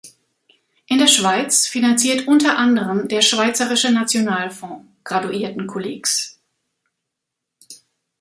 In der Schweiz finanziert unter anderem der Schweizerische Nationalfonds Graduiertenkollegs.